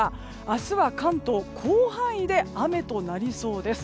明日は関東広範囲で雨となりそうです。